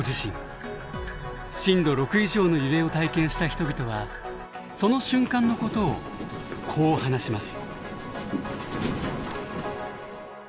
震度６以上の揺れを体験した人々はその瞬間のことをこう話します。